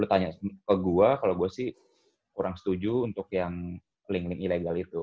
lu tanya ke gue kalau gue sih kurang setuju untuk yang link link ilegal itu